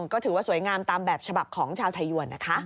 ก็ถือว่าสวยงามตามแบบฉบับของชาวไทยยวนนะคะ